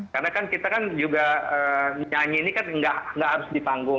karena kan kita kan juga nyanyi ini kan nggak harus dipanggung